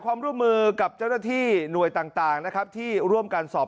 ความร่วมมือกับเจ้าหน้าที่หน่วยต่างนะครับที่ร่วมกันสอบ